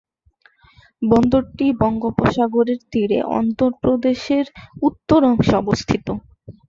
বন্দরটি বঙ্গোপসাগরের তীরে অন্ধ্রপ্রদেশের উত্তর অংশে অবস্থিত।